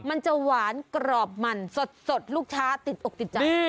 มันจะหวานกรอบมันสดลูกค้าติดอกติดใจ